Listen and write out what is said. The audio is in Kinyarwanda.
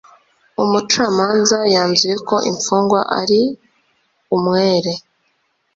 umucamanza yanzuye ko imfungwa ari umwere